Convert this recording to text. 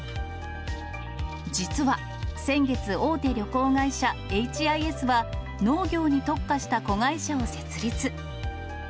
実は、先月、大手旅行会社、ＨＩＳは農業に特化した子会社を設立。